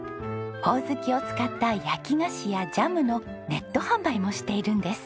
ホオズキを使った焼き菓子やジャムのネット販売もしているんです。